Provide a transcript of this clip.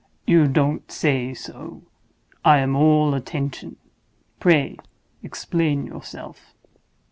"You don't say so! I am all attention; pray explain yourself!"